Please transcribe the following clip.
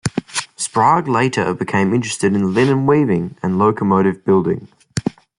Sprague later became interested in linen weaving and locomotive building.